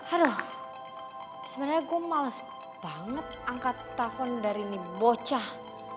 aduh sebenarnya gue males banget angkat telpon dari mie bocah